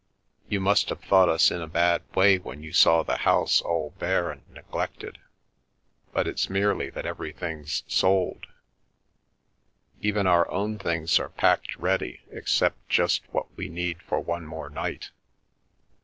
You must have thought us in a bad way when you saw the house all bare and neglected, but it's merely that everything's sold. Even our own things are packed ready except just what we need for one more night.